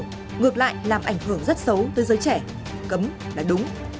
ngược lại làm ảnh hưởng rất xấu tới giới trẻ cấm là đúng